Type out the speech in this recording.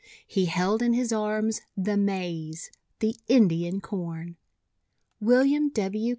He held in his arms the Maize — the Indian Corn! WILLIAM W.